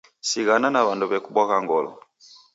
Sighana na w'andu w'ekubwagha ngolo.